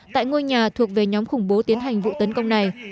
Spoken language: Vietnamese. tại ngôi nhà thuộc về nhóm khủng bố tiến hành vụ tấn công này